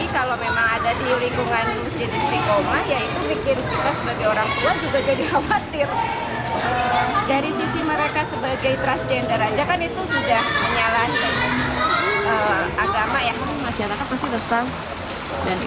tapi kalau memang ada di lingkungan masjid istiqomah ya itu bikin kita sebagai orang